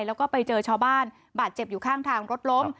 แล้วก็ไปเจอชาวบ้านบาดเจ็บอยู่ข้างทางรถล้ม